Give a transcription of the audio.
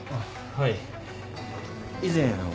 はい。